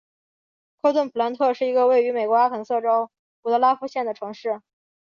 科顿普兰特是一个位于美国阿肯色州伍德拉夫县的城市。